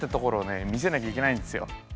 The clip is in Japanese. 見せなきゃいけないんですよ。